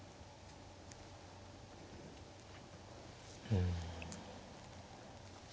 うん。